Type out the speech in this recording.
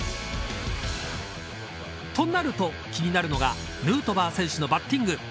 となると、気になるのはヌートバー選手のバッティング。